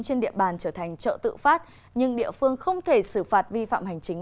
trên địa bàn trở thành chợ tự phát nhưng địa phương không thể xử phạt vi phạm hành chính